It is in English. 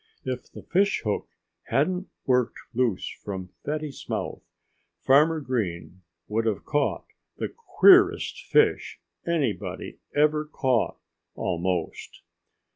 If the fish hook hadn't worked loose from Fatty's mouth Farmer Green would have caught the queerest fish anybody ever caught, almost.